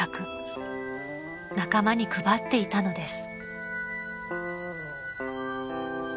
［仲間に配っていたのです］